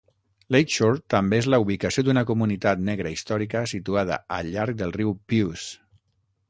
Lakeshore també és la ubicació d'una comunitat negra històrica situada al llarg del riu Puce.